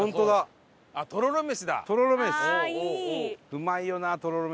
うまいよなとろろ飯。